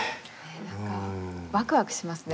何かワクワクしますね。